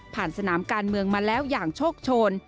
สนามการเมืองมาแล้วอย่างโชคโชน